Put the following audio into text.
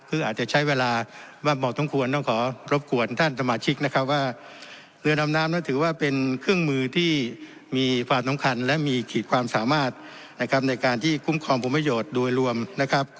คืออาจจะใช้เวลามากบอกต้องควรต้องขอรบกวนท่านสมาชิกนะครับว่าเรือดำน้ำนั้นถือว่าเป็นเครื่องมือที่มีความสำคัญและมีขีดความสามารถนะครับในการที่คุ้มครองผลประโยชน์โดยรวมนะครับ